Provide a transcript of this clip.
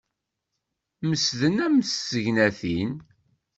Mesden am tsegnatin.